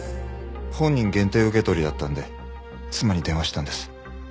本人限定受け取りだったので妻に電話したんです。